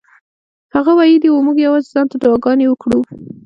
هغه ویلي وو موږ یوازې ځان ته دعاګانې وکړو.